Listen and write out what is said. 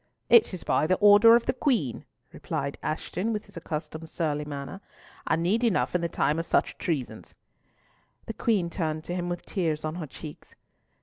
"It is by order of the Queen," replied Ashton, with his accustomed surly manner, "and need enough in the time of such treasons!" The Queen turned to him with tears on her cheeks.